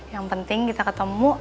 yang penting kita ketemu